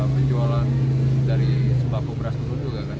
penjualan dari sembako beras dulu juga kan